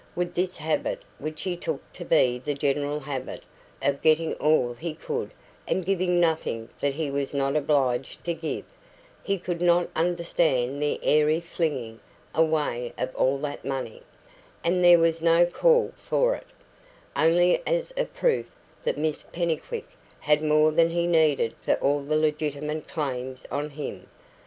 With his habit which he took to be the general habit of getting all he could and giving nothing that he was not obliged to give, he could not understand the airy flinging away of all that money, when there was no "call" for it, only as a proof that Mr Pennycuick had more than he needed for all the legitimate claims on him.